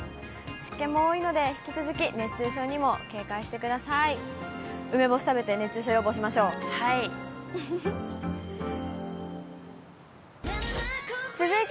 湿気も多いので、引き続き熱中症にも警戒してください。